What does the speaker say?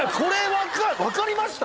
分かりました！？